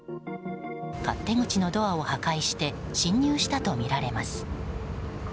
勝手口のドアを破壊して侵入したとみられます。